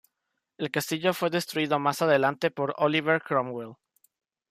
El castillo fue destruido más adelante por Oliver Cromwell.